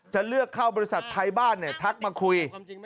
จะเลือกเข้าบริษัทไทยบ้านทักมาคุย